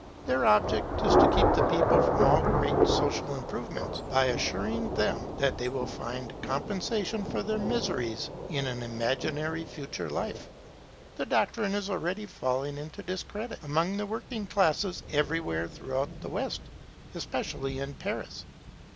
Their object is to keep the people from all great social improvements by assuring them that they will find compensation for their miseries in an imaginary future life. The doctrine is already falling into discredit among the working classes everywhere throughout the West, especially in Paris.